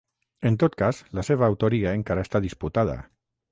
En tot cas, la seva autoria encara està disputada.